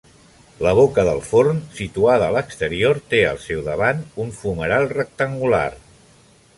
La boca del forn, situada a l'exterior, té al seu davant un fumeral rectangular.